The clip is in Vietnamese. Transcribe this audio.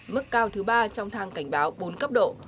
mức cao thứ ba trong thang cảnh báo bốn cấp độ